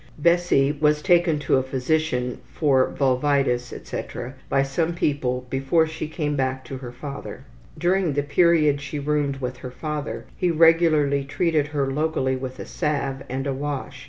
Bessie was taken to a physician for vulvitis, etc., by some people before she came back to her father. During the period she roomed with her father he regularly treated her locally with a salve and a wash.